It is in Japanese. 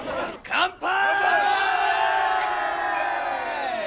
乾杯！